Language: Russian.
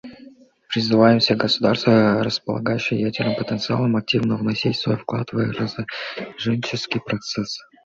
Призываем все государства, располагающие ядерными потенциалами, активно вносить свой вклад в разоруженческий процесс.